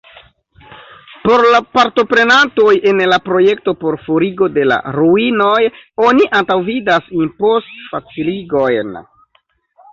Por la partoprenantoj en la projekto por forigo de la ruinoj oni antaŭvidas impostfaciligojn.